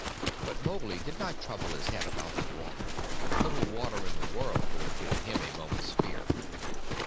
But Mowgli did not trouble his head about the water; little water in the world could have given him a moment's fear.